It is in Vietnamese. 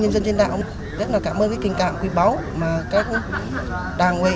nhân dân trên đảo rất là cảm ơn cái kinh cạm quý báu mà các đảng huệ